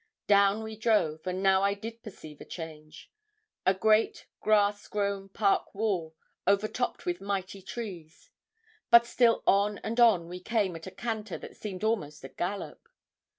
Down we drove, and now I did perceive a change. A great grass grown park wall, overtopped with mighty trees; but still on and on we came at a canter that seemed almost a gallop.